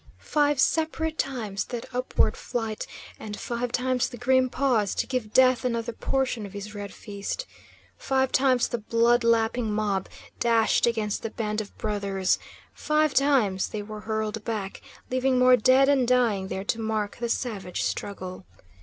Five separate times that upward flight, and five times the grim pause to give death another portion of his red feast. Five times the blood lapping mob dashed against the band of brothers. Five times they were hurled back, leaving more dead and dying there to mark the savage struggle.